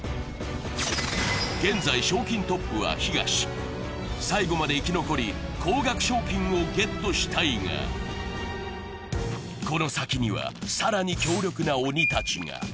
現在賞金トップは東、最後まで生き残り、高額賞金をゲットしたいがこの先には更に強力な鬼たちが。